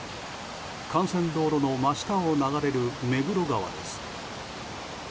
幹線道路の真下を流れる目黒川です。